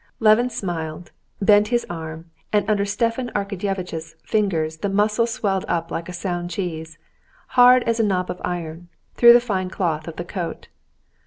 Levin smiled, bent his arm, and under Stepan Arkadyevitch's fingers the muscles swelled up like a sound cheese, hard as a knob of iron, through the fine cloth of the coat.